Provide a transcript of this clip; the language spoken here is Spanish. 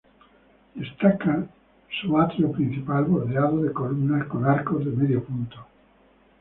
Destaca su atrio principal bordeado de columnas con arcos de medio punto.